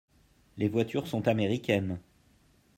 Les voitures sont américaines.